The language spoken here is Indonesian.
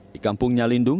di kampungnya lindung